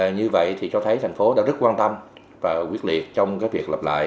như vậy thì cho thấy thành phố đã rất quan tâm và quyết liệt trong việc lập lại